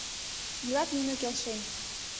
Илат нуно келшен.